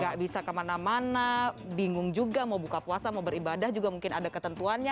gak bisa kemana mana bingung juga mau buka puasa mau beribadah juga mungkin ada ketentuannya